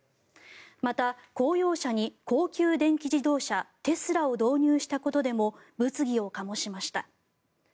また、公用車に高級電気自動車テスラを導入したことにも物議を醸しました。